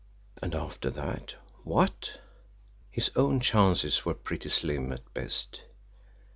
And after that WHAT? His own chances were pretty slim at best.